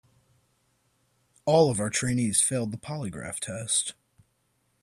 All of our trainees failed the polygraph test.